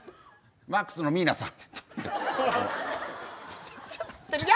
マックスのミイナさん。